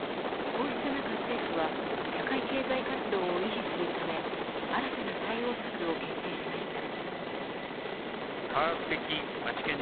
こうした中、政府は社会経済活動を維持するため新たな対応策を決定しました。